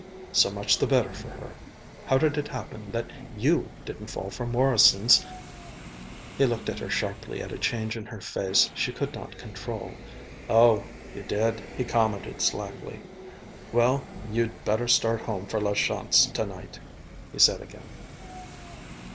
"So much the better for her. How did it happen that you didn't fall for Morrison's ..." he looked at her sharply at a change in her face she could not control. "Oh, you did," he commented slackly. "Well, you'd better start home for La Chance tonight," he said again.